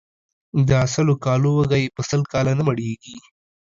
د سلو کالو وږى ، په سل کاله نه مړېږي.